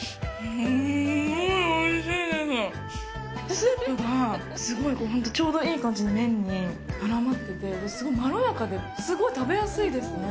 スープがすごい本当ちょうどいい感じに麺に絡まっててすごいまろやかですごい食べやすいですね。